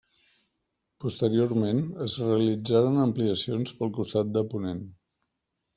Posteriorment es realitzaren ampliacions pel costat de ponent.